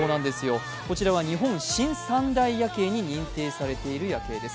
こちらは日本新三大夜景に認定されている夜景です。